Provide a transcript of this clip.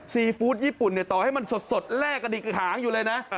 ซีฟู้ดญี่ปุ่นต่อให้มันสดแลกกระดิกหางอยู่เลยนะ